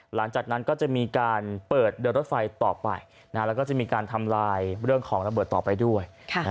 หลังจากนั้นก็จะมีการเปิดเดินรถไฟต่อไปแล้วก็จะมีการทำลายเรื่องของระเบิดต่อไปด้วย